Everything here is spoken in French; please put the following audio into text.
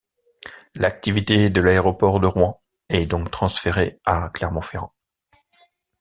L'activité de l'aéroport de Rouen est donc transférée à Clermont-Ferrand.